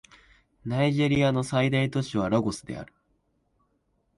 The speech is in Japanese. ナイジェリアの最大都市はラゴスである